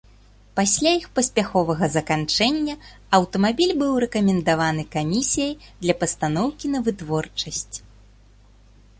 Пасля іх паспяховага заканчэння, аўтамабіль быў рэкамендаваны камісіяй для пастаноўкі на вытворчасць.